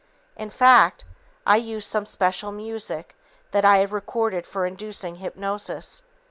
In fact, I use some special music that I had recorded for inducing hypnosis.